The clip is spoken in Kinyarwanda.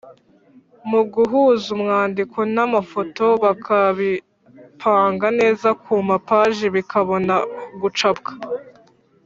Mu guhuza umwandiko n amafoto bakabipanga neza ku mapaji bikabona gucapwa